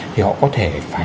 thì họ có thể phải